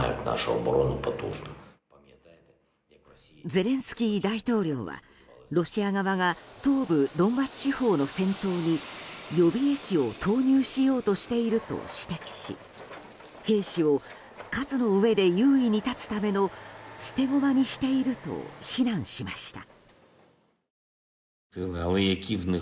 ゼレンスキー大統領はロシア側が東部ドンバス地方の戦闘に予備役を投入しようとしていると指摘し兵士を数の上で優位に立つための捨て駒にしていると非難しました。